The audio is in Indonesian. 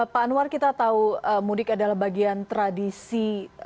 pak anwar kita tahu mudik adalah bagian tradisi